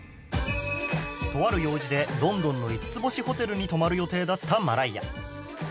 とある用事でロンドンの５つ星ホテルに泊まる予定だったマライア